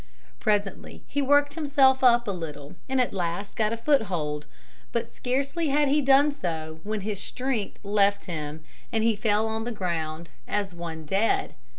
Presently he worked himself up a little and at last got a foothold. But, scarcely had he done so, when his strength left him and he fell on the ground as one dead.